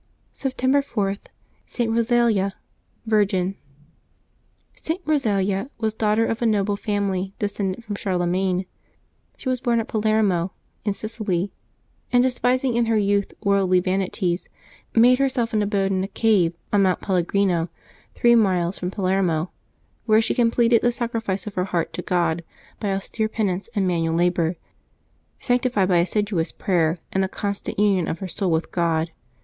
September 4.— ST. ROSALIA, Virgin. |t. Eosalia was daughter of a noble family descended from Charlemagne. She was born at Palermo in Sicily, and despising in her youth worldly vanities, made herself an abode in a cave on Mount Pelegrino, three miles from Palermo, where she completed the sacrifice of her heart to God by austere penance and manual labor, sancti fied by assiduous prayer and the constant union of her soul with God.